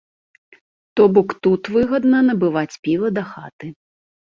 То бок, тут выгадна набываць піва дахаты.